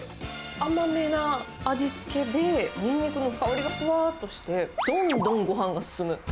甘めな味付けで、ニンニクの香りがふわっとして、どんどんごはんが進む。